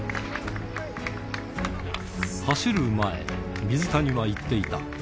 走る前、水谷は言っていた。